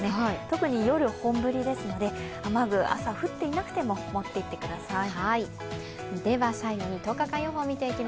特に夜本降りですので、雨具朝降っていなくても持っていってください。